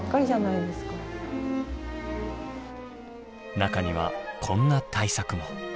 中にはこんな大作も。